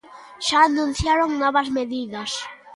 Xa anunciaron novas medidas.